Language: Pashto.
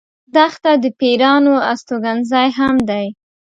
دښته د پېرانو استوګن ځای هم دی.